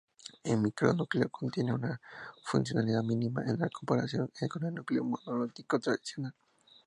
Un micronúcleo contiene una funcionalidad mínima en comparación con un núcleo monolítico tradicional.